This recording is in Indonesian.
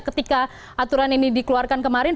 ketika aturan ini dikeluarkan kemarin